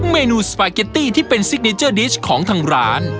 เมนูสปาเกตตี้ที่เป็นซิกเนเจอร์ดิชของทางร้าน